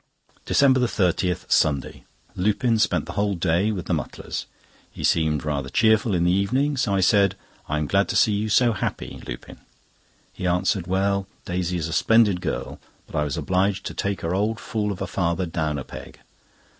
DECEMBER 30, Sunday.—Lupin spent the whole day with the Mutlars. He seemed rather cheerful in the evening, so I said: "I'm glad to see you so happy, Lupin." He answered: "Well, Daisy is a splendid girl, but I was obliged to take her old fool of a father down a peg.